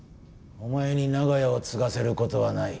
お前に長屋を継がせる事はない。